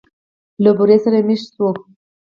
له بورا سره مېشت شوو.